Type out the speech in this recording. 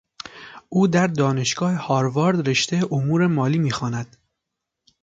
او در دانشگاه هاروارد رشته امور مالی میخواند.